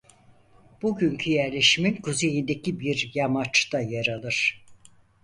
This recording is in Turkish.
Bugünkü yerleşimin kuzeyindeki bir yamaçta yer alır.